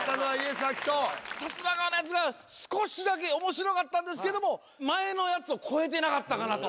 サツマカワのやつが少しだけ面白かったんですけども前のやつを超えてなかったかなと。